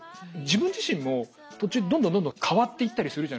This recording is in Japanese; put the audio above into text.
自分自身も途中どんどんどんどん変わっていったりするじゃないですか。